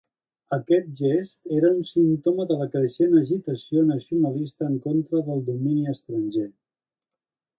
Aquest gest era un símptoma de la creixent agitació nacionalista en contra del domini estranger.